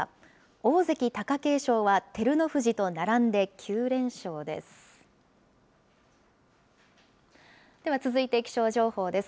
大関・貴景勝は照ノ富士と並んで９連勝です。